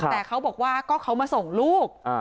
แต่เขาบอกว่าก็เขามาส่งลูก